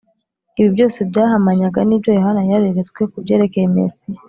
. Ibi byose byahamanyaga n’ibyo Yohana yari yareretswe ku byerekeye Mesiya